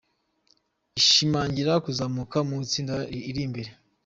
Ishimangira kuzamuka mu itsinda iri imbere.